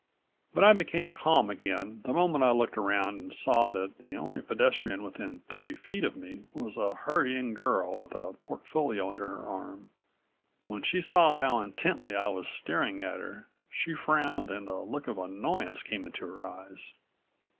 But I became calm again the moment I looked around and saw that the only pedestrian within thirty feet of me was a hurrying girl with a portfolio under her arm. When she saw how intently I was staring at her she frowned and a look of annoyance came into her eyes.